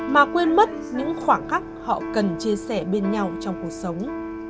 mà quên mất những khoảng cách họ cần chia sẻ bên nhau trong cuộc sống